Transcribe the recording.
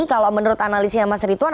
kalau menurut analisnya mas rituan